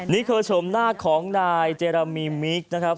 นี่คือชมหน้าของนายเจรามีมิกนะครับ